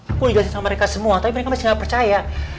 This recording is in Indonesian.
aku juga sama mereka semua tapi mereka masih gak percaya